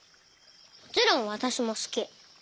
もちろんわたしもすき。